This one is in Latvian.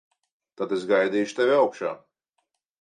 Tad es gaidīšu tevi augšā.